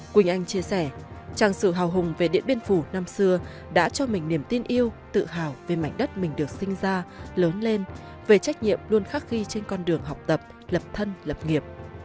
quỳnh anh chia sẻ trang sử hào hùng về điện biên phủ năm xưa đã cho mình niềm tin yêu tự hào về mảnh đất mình được sinh ra lớn lên về trách nhiệm luôn khắc ghi trên con đường học tập lập thân lập nghiệp